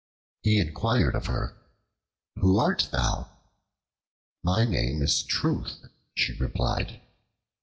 He inquired of her, "Who art thou?" "My name is Truth," she replied.